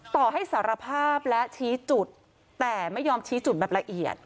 ต่อให้สารภาพและชี้จุดแต่ไม่ยอมชี้จุดแบบละเอียด